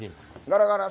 ガラガラ。